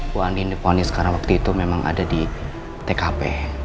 bu andin diponis karena waktu itu memang ada di tkp